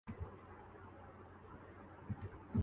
تو رحمت کے فرشتوں کا نزول ہوتا ہے۔